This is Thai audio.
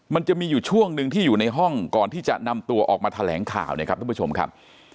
มันจะมีอยู่ช่วงหนึ่งที่อยู่ในห้องก่อนที่จะนำตัวออกมาแถลงข่าวนะครับทุกผู้ชมครับ